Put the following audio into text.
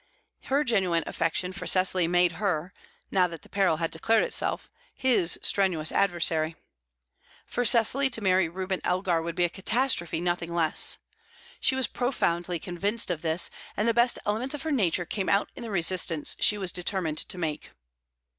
Her genuine affection for Cecily made her, now that the peril had declared itself, his strenuous adversary. For Cecily to marry Reuben Elgar would be a catastrophe, nothing less. She was profoundly convinced of this, and the best elements of her nature came out in the resistance she was determined to make.